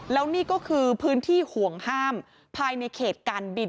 แล้วนี่ก็คือพื้นที่ห่วงห้ามภายในเขตการบิน